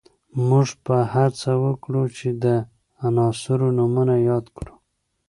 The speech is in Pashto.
موږ به هڅه وکړو چې د عناصرو نومونه یاد کړو